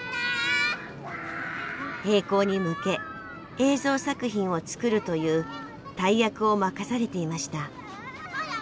閉校に向け映像作品を作るという大役を任されていました。